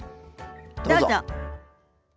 どうぞ。